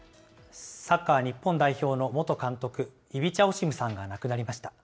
サッカー日本代表の元監督、イビチャ・オシムさんが亡くなりました。